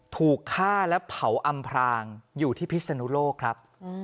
ถูกฆ่าและเผาอำพรางอยู่ที่พิศนุโลกครับ